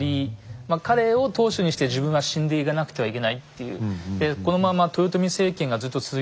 まあ彼を当主にして自分は死んでいかなくてはいけないっていう。